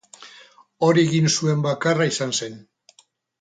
Hori egin zuen bakarra izan zen.